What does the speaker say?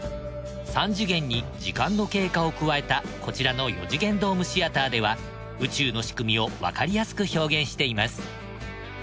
３次元に時間の経過を加えたこちらの４次元ドームシアターでは宇宙の仕組みをわかりやすく表現しています。